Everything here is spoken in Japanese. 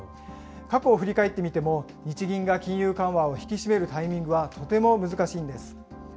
過去を振り返ってみても、日銀が金融緩和を引き締めるタイミングはとても難しいんです。